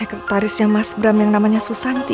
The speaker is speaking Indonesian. apa dia sekretarisnya mas bram yang namanya susanti